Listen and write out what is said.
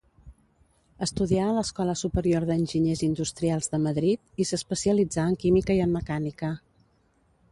Estudià a l'Escola Superior d'Enginyers Industrials de Madrid, i s'especialitzà en química i en mecànica.